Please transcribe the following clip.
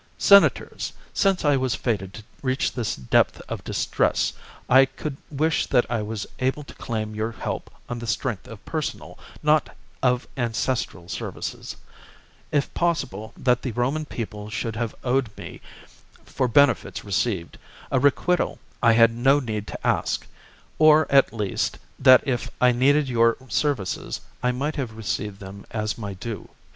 " Senators, since I was fated to reach this depth of distress, I could wish that I was able to claim your help on the strength of personal, not of ancestral services ; if possible, that the Roman people should have owed me, for benefits received, a requital I had no need to ask; or, at least, that if I needed your THE JUGURTHINE WAR. I35 services, I might have received them as my due.